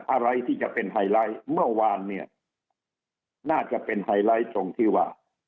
อะไรที่จะเป็นไฮไลท์เมื่อวานเนี่ยน่าจะเป็นไฮไลท์ตรงที่ว่า